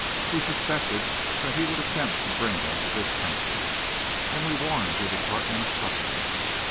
We suspected that he would attempt to bring them to this country, and we warned your department of customs.